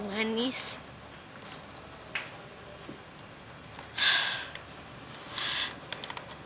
siapa yang ngasih benda ini